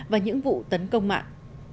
và những vụ tấn công mạng